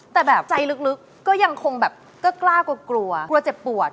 แต่แบบใจลึกก็ยังคงแบบก็กล้ากลัวกลัวเจ็บปวด